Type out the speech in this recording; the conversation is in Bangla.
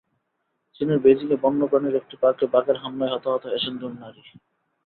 চীনের বেইজিংয়ে বন্য প্রাণীর একটি পার্কে বাঘের হামলায় হতাহত হয়েছেন দুই নারী।